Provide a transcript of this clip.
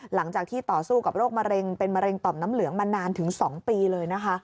หลังจากที่ต่อสู้กับโรคมะเร็งเป็นมะเร็งต่อมน้ำเหลืองมานานถึง๒ปีเลยนะคะ